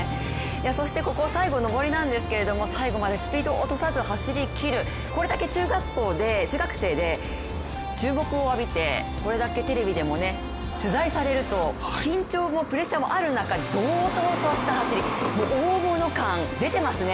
そしてここ最後上りなんですけど、最後までスピードを落とさずに走りきる、これだけ中学生で注目を浴びてこれだけテレビでも取材されると、緊張もプレッシャーもある中堂々とした走りもう大物感が出ていますね。